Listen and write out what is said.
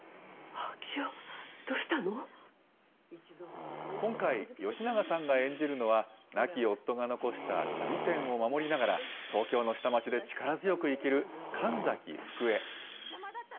昭夫、今回、吉永さんが演じるのは、亡き夫が残した足袋店を守りながら、東京の下町で力強く生きる、神崎福江。